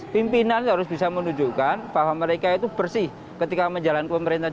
pimpinan harus bisa menunjukkan bahwa mereka itu bersih ketika menjalankan pemerintahan